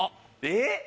えっ！？